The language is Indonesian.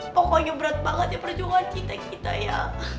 pokoknya berat banget ya perjuangan cinta kita ya